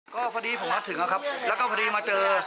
ก็พอดีผมมาถึงครับแล้วก็พอดีมาเจอ